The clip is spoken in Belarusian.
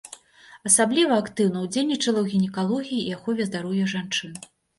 Асабліва актыўна ўдзельнічала ў гінекалогіі і ахове здароўя жанчын.